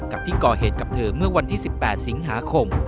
กับที่ก่อเหตุกับเธอเมื่อวันที่๑๘สิงหาคม